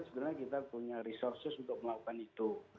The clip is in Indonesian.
sebenarnya kita punya resources untuk melakukan itu